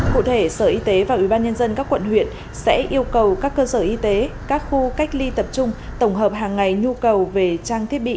cụ thể sở y tế và ubnd các quận huyện sẽ yêu cầu các cơ sở y tế các khu cách ly tập trung tổng hợp hàng ngày nhu cầu về trang thiết bị